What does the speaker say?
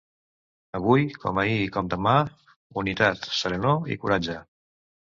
Avui, com ahir i com demà, unitat, serenor i coratge.